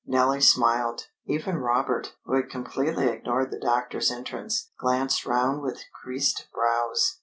Nellie smiled. Even Robert, who had completely ignored the doctor's entrance, glanced round with creased brows.